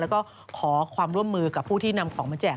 แล้วก็ขอความร่วมมือกับผู้ที่นำของมาแจก